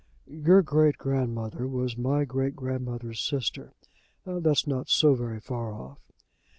"Your great grandmother was my great grandmother's sister. That's not so very far off."